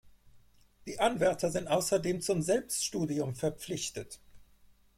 Die Anwärter sind außerdem zum Selbststudium verpflichtet.